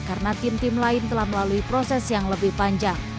karena tim tim lain telah melalui proses yang lebih panjang